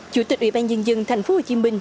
chủ tịch ubnd tp hcm